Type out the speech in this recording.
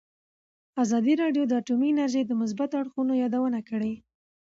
ازادي راډیو د اټومي انرژي د مثبتو اړخونو یادونه کړې.